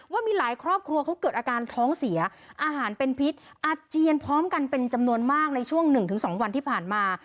ว่ามีหลายครอบครัวเขาเกิดอาการท้องเสียอาหารเป็นพิษอาเจียนพร้อมกันเป็นจำนวนมากในช่วง๑๒วันที่ผ่านมา